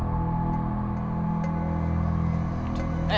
aku pergi ke sana aja deh